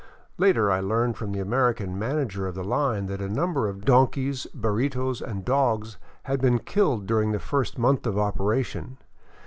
Later I learned from the American manager of the line that a number of donkeys, burritos, and dogs had been killed during the first month of operation.